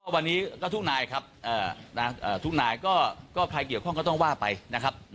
วันนี้ก็ทุกนายครับทุกนายก็ใครเกี่ยวข้องก็ต้องว่าไปนะครับ